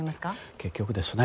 結局ですね